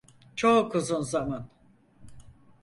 Çok uzun zaman.